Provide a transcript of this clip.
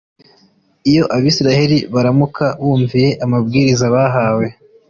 iyo abisiraheli baramuka bumviye amabwiriza bahawe